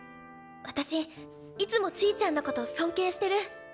私いつもちぃちゃんのこと尊敬してる。